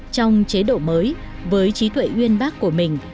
trong chế độ mới với trí tuệ uyên bác của mình